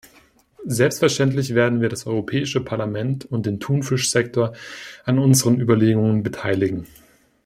Selbstverständlich werden wir das Europäische Parlament und den Thunfischsektor an unseren Überlegungen beteiligen.